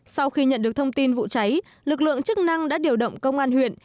sau khi nhận được thông tin vụ cháy lực lượng chức năng đã điều động công an huyện